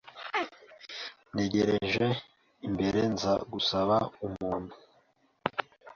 ntegereje imbere nza gusaba umuntu